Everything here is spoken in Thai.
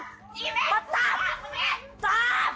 นักจิตเจ็บหรือนักจิต